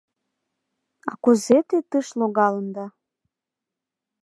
— А кузе те тыш логалында?